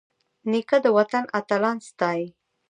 نیکه د وطن اتلان ستايي.